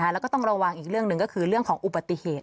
แล้วก็ต้องระวังอีกเรื่องหนึ่งก็คือเรื่องของอุบัติเหตุ